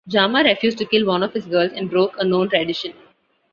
Jama refused to kill one of his girls and broke a known tradition.